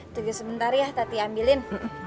tunggu sebentar ya tati ambilin